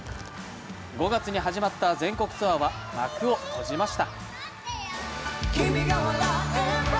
５月に始まった全国ツアーは幕を閉じました。